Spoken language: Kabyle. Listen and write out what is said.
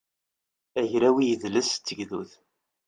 agraw i yidles d tugdut